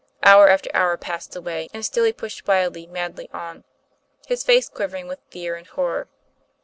Hour after hour passed away, and still he pushed wildly, madly on, his face quivering with fear and horror.